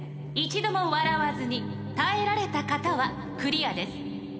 一度も笑わずに耐えられた方はクリアです。